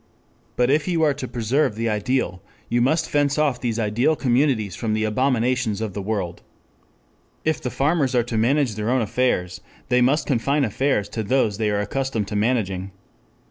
But if you are to preserve the ideal, you must fence off these ideal communities from the abominations of the world. If the farmers are to manage their own affairs, they must confine affairs to those they are accustomed to managing.